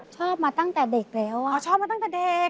ชอบมาตั้งแต่เด็กแล้วอ่ะเขาชอบมาตั้งแต่เด็ก